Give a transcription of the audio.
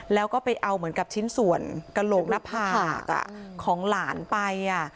แล้วก็ไปเอาเหมือนกับชิ้นส่วนกระโหลกหน้าผากของหลานไป